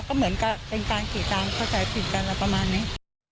ก็เหมือนกับเป็นการขี่ตามเข้าใจผิดกันอะไรประมาณนี้